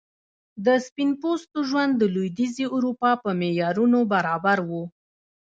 د سپین پوستو ژوند د لوېدیځي اروپا په معیارونو برابر و.